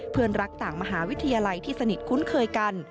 เพื่อนรักต่างมหาวิทยาลัยที่สนิทคุ้นเคยกัน